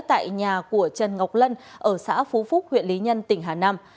tại nhà của trần ngọc lân ở xã phú phúc huyện lý nhân tỉnh hà nam